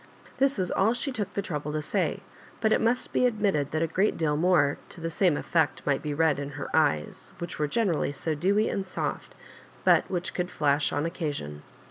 This was all she took the trouble to say ; but it must be admitted that a great deal more to the same effect might be read in her eyes, which were generally so dewy and soft, but which could flash on occasion.